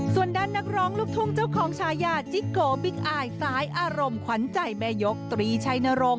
ส่วนด้านนักร้องลูกทุ่งเจ้าของชายาจิโกบิ๊กอายสายอารมณ์ขวัญใจแม่ยกตรีชัยนรงค